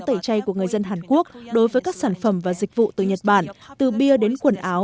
tẩy chay của người dân hàn quốc đối với các sản phẩm và dịch vụ từ nhật bản từ bia đến quần áo